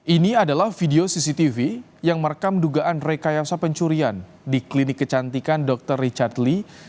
ini adalah video cctv yang merekam dugaan rekayasa pencurian di klinik kecantikan dr richard lee